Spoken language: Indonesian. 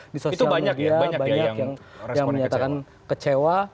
di sosial media banyak yang menyatakan kecewa